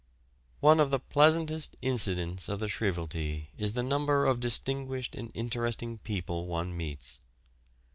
One of the pleasantest incidents of the shrievalty is the number of distinguished and interesting people one meets.